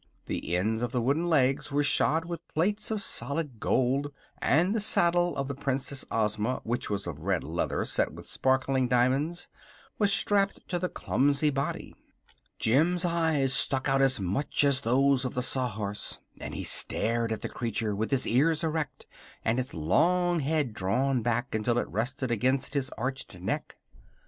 The ends of the wooden legs were shod with plates of solid gold, and the saddle of the Princess Ozma, which was of red leather set with sparkling diamonds, was strapped to the clumsy body. [Illustration: "FOR GOODNESS SAKE, WHAT SORT OF A BEING ARE YOU?"] Jim's eyes stuck out as much as those of the Sawhorse, and he stared at the creature with his ears erect and his long head drawn back until it rested against his arched neck.